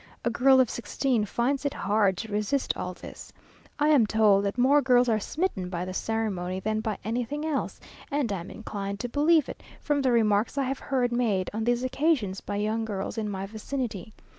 A girl of sixteen finds it hard to resist all this. I am told that more girls are smitten by the ceremony, than by anything else, and am inclined to believe it, from the remarks I have heard made on these occasions by young girls in my vicinity.